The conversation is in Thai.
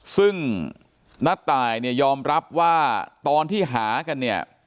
ซึ่งณตายเนี่ยยอมรับว่าตอนที่หากันเนี่ย